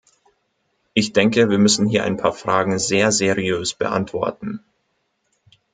Ich denke, wir müssen hier ein paar Fragen sehr seriös beantworten.